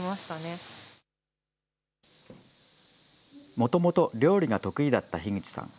もともと料理が得意だった樋口さん。